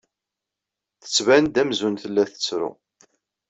Tettban-d amzun tella tettru.